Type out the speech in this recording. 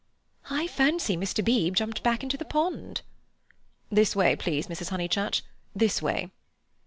"I fancy Mr. Beebe jumped back into the pond." "This way, please, Mrs. Honeychurch, this way."